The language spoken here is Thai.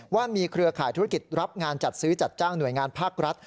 ว่ามีเครือข่ายธุรกิจรับงานจัดซื้อจัดจ้างหน่วยงานภาครัฐ